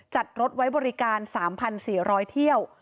จัดรถไว้บริการ๓๔๐๐เที่ยว